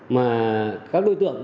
mà các đối tượng